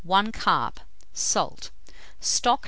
1 carp, salt, stock No.